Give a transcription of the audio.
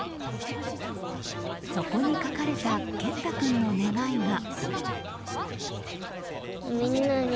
そこに書かれたけんた君の願いが。